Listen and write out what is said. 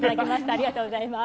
ありがとうございます。